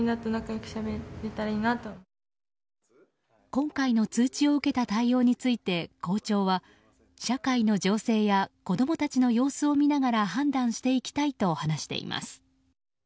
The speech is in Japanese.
今回の通知を受けた対応について校長は社会の情勢や子供たちの様子を見ながら判断していきたいと話しています。